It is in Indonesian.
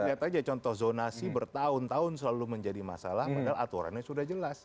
lihat aja contoh zonasi bertahun tahun selalu menjadi masalah padahal aturannya sudah jelas